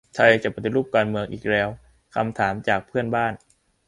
"ไทยจะปฏิรูปการเมือง อีกแล้ว ?" คำถามจากเพื่อนบ้าน